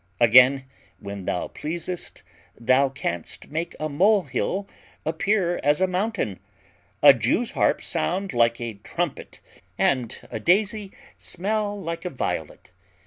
Again, when thou pleasest, thou canst make a molehill appear as a mountain, a Jew's harp sound like a trumpet, and a daisy smell like a violet.